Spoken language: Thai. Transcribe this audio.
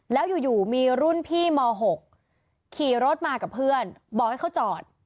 แล้วอยู่มีรุ่นพี่ม๖ขี่รถมากับเพื่อนบอกให้เขาจอด